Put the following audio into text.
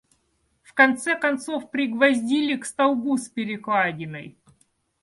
В конце концов пригвоздили к столбу с перекладиной.